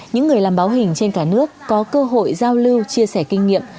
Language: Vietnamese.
những người làm báo hình trên cả nước có cơ hội giao lưu chia sẻ kinh nghiệm